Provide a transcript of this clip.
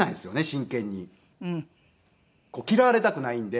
真剣に嫌われたくないんで。